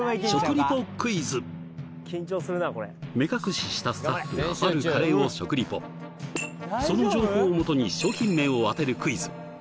目隠ししたスタッフがあるカレーを食リポその情報をもとに商品名を当てるクイズ